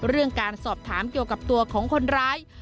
เรื่องการสอบถามเกี่ยวกับตัวของคนร้าย